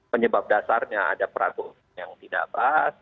penyebab dasarnya ada perang hukum yang tidak bahas